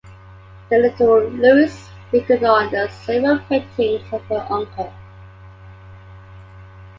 The little Louise figured on several paintings of her uncle.